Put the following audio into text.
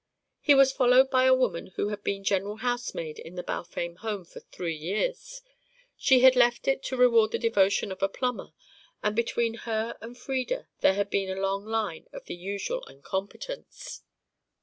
He was followed by a woman who had been general housemaid in the Balfame home for three years. She had left it to reward the devotion of a plumber, and between her and Frieda there had been a long line of the usual incompetents.